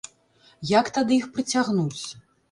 Як тады іх прыцягнуць?